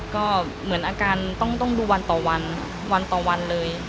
ก็เหมือนอาการต้องดูวันต่อวันวันต่อวันเลย